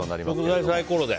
食材はサイコロで。